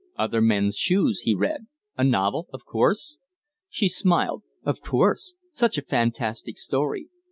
"Other Men's Shoes!" he read. "A novel, of course?" She smiled. "Of course. Such a fantastic story.